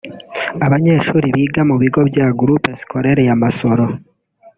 Abanyeshuri biga mu bigo bya Groupe scolaire ya Masoro